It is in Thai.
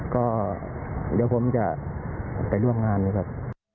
ก็เดี๋ยวผมจะไปร่วมงานนะครับ